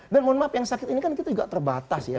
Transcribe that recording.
dan mohon maaf yang sakit ini kan kita juga terbatas ya